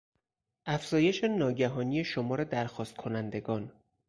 افزایش ناگهانی شمار درخواست کنندگان